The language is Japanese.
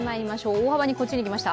大幅にこっちに来ました。